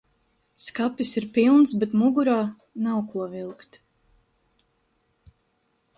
Skapis ir pilns, bet mugurā nav, ko vilkt.